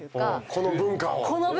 この文化を。